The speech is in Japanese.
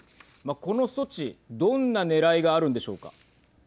この措置、どんなねらいがあるんでしょうか。